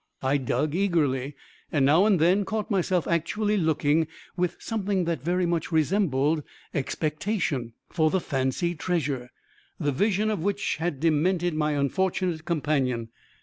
I dug eagerly, and now and then caught myself actually looking, with something that very much resembled expectation, for the fancied treasure, the vision of which had demented my unfortunate companion.